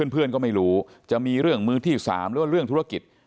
เพื่อนก็ไม่รู้จะมีเรื่องมือที่๓หรือว่าเรื่องธุรกิจ